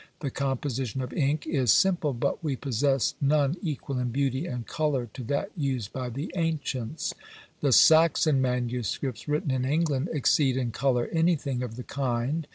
The composition of ink is simple, but we possess none equal in beauty and colour to that used by the ancients; the Saxon MSS. written in England exceed in colour anything of the kind.